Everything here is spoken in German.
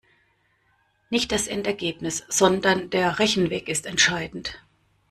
Nicht das Endergebnis, sondern der Rechenweg ist entscheidend.